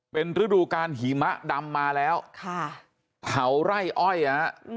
เป็นฤดูการหิมะดำมาแล้วค่ะเผาไร่อ้อยฮะ